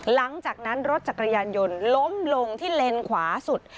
หลังจากนั้นรถจักรยานยนต์ล้มลงที่เลนขวาสุด